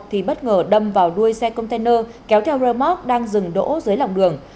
thì bất ngờ đâm vào đuôi xe container kéo theo remote đang dừng đỗ dưới lòng đường